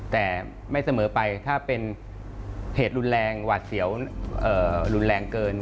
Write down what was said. แต่ไม่เสมอไปถ้าเป็นเหตุรุนแรงหวาดเสียวรุนแรงเกิน